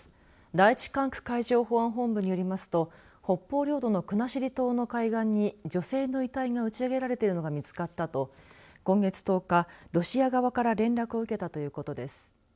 第１管区海上保安本部によりますと北方領土の国後島の海岸に女性の遺体が打ち上げられているのが見つかったと今月１０日、ロシア側から連絡を受けたということです。